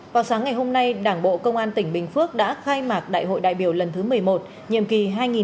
vào sáng ngày hôm nay đảng bộ công an tỉnh bình phước đã khai mạc đại hội đại biểu lần thứ một mươi một nhiệm kỳ hai nghìn hai mươi hai nghìn hai mươi năm